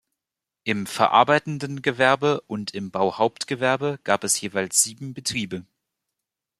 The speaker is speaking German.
Im verarbeitenden Gewerbe und im Bauhauptgewerbe gab es jeweils sieben Betriebe.